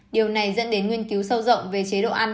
điều này dẫn đến nghiên cứu sâu rộng về chế độ ăn